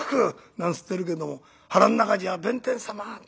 なんつってるけども腹ん中じゃ『弁天様』。